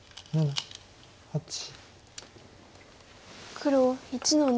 黒１１の二。